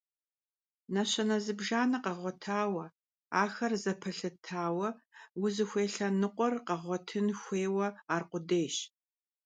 Neşene zıbjjane kheğuetaue, axer zepelhıtaue vuzıxuêy lhenıkhuer kheğuetın xuêyue arkhudêyş.